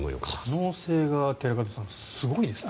可能性が寺門さん、すごいですね。